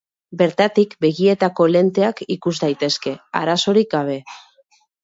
Bertatik begietako lenteak ikus daitezke, arazorik gabe.